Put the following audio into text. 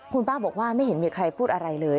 คุณป้าบอกว่าไม่เห็นมีใครพูดอะไรเลย